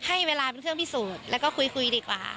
ให้เวลาเป็นเครื่องพิสูจน์แล้วก็คุยดีกว่า